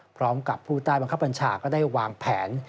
พร้อมกับผู้ใต้บังคับบัญชาก็ได้วางแผน